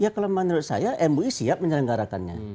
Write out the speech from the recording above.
ya kalau menurut saya mui siap menyelenggarakannya